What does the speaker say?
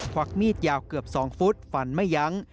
วักมีดยาวเกือบ๒ฟุตฟันไม่ยั้ง